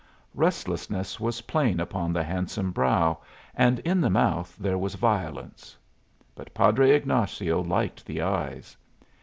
Restlessness was plain upon the handsome brow, and in the mouth there was violence; but Padre Ignazio liked the eyes.